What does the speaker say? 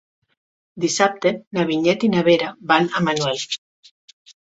Dissabte na Vinyet i na Vera van a Manuel.